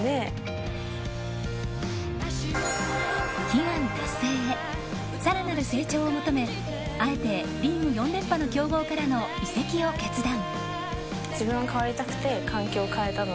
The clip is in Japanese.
悲願達成へさらなる成長を求め、あえてリーグ４連覇の強豪からの移籍を決断。